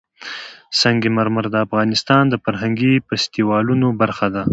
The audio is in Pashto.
سنگ مرمر د افغانستان د فرهنګي فستیوالونو برخه ده.